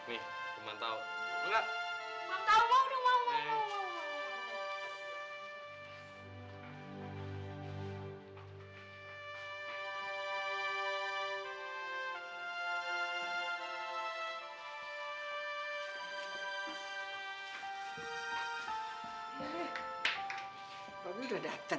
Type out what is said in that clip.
itu dong panjang nyuncing